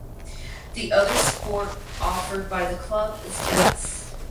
The other sport offered by the club is tennis.